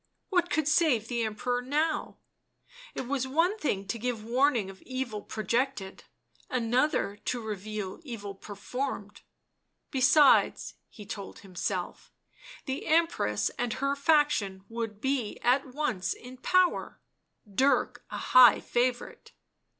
What could save the Emperor now? It was one thing to give warning of evil projected, another to reveal evil performed ; besides, he told himself, the Empress and her faction would be at once in power — Dirk a high favourite.